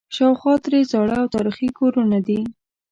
شاوخوا ترې زاړه او تاریخي کورونه دي.